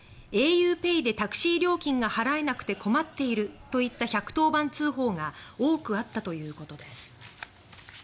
「ａｕＰＡＹでタクシー料金が払えなくて困っている」といった１１０番通報が多くあったということです。